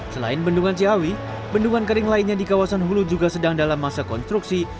selain bendungan ciawi bendungan kering lainnya di kawasan hulu juga sedang dalam masa konstruksi